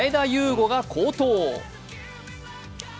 伍が好投。